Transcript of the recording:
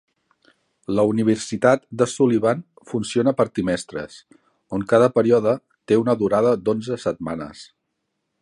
La Universitat de Sullivan funciona per trimestres, on cada període té una durada d'onze setmanes.